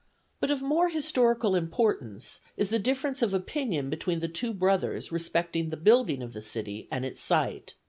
But of more historical importance is the difference of opinion between the two brothers respecting the building of the city and its site.